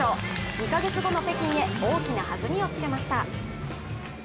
２カ月後の北京へ大きな弾みをつけました。